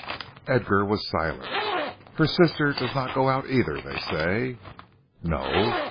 Edgar was silent. "Her sister does not go out, either, they say." "No?